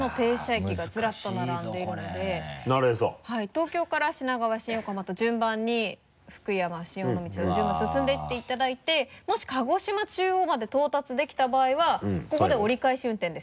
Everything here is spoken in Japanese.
東京から品川新横浜と順番に福山新尾道と順番に進んでいっていただいてもし鹿児島中央まで到達できた場合はここで折り返し運転です。